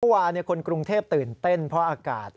ทุกวันคนกรุงเทพฯตื่นเต้นเพราะอากาศ